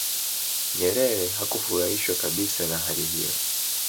nyerere hakufurahishwa kabisa na hali hiyo